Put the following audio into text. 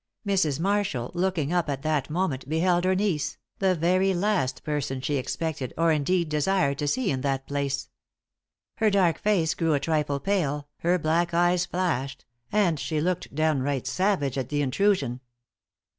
Mrs. Marshall, looking up at that moment, beheld her niece the very last person she expected or, indeed, desired to see in that place. Her dark face grew a trifle pale, her black eyes flashed, and she looked downright savage at the intrusion.